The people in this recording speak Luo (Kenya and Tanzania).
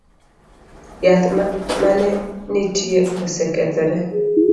Yath mane nitie osekethore